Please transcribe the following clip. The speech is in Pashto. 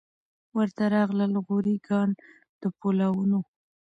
ورته راغلل غوري ګان د پولاوونو